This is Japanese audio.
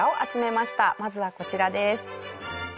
まずはこちらです。